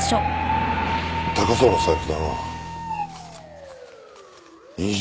高そうな財布だな。